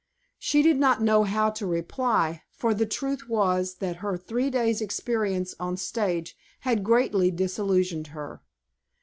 She did not know how to reply, for the truth was that her three days' experience on the stage had greatly disillusioned her.